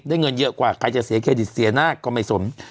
เงินเยอะกว่าใครจะเสียเครดิตเสียหน้าก็ไม่สม